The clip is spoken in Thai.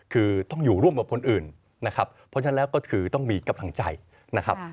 คือต้องอยู่ร่วมกับคนอื่นนะครับเพราะฉะนั้นแล้วก็คือต้องมีกำลังใจนะครับ